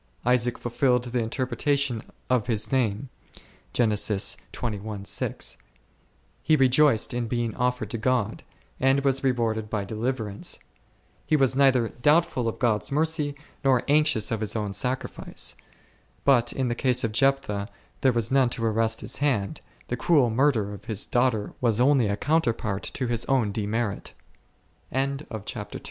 Isaac fulfilled the interpretation of his name^, he rejoiced in being offered to God, and was rewarded by deliverance ; he was neither doubtful of God's mercy, nor anxious at his own sacrifice ; but in the case of Jephthah there was none to arrest his hand, the cruel murder of his daughter was only a counterpart to his own dem